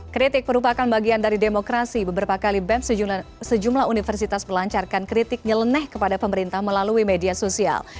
kritik merupakan bagian dari demokrasi beberapa kali bem sejumlah universitas melancarkan kritik nyeleneh kepada pemerintah melalui media sosial